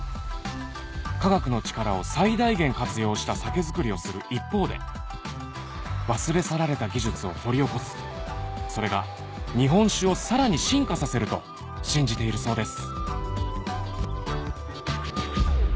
科学の力を最大限活用した酒づくりをする一方で忘れ去られた技術を掘り起こすそれが日本酒をさらに進化させると信じているそうです